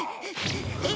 えっ？